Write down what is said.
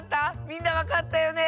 みんなわかったよね？